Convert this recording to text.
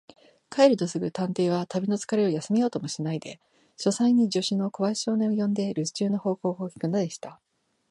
帰るとすぐ、探偵は旅のつかれを休めようともしないで、書斎に助手の小林少年を呼んで、るす中の報告を聞くのでした。